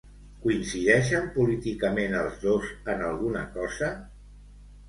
Coincideixen políticament els dos en alguna cosa?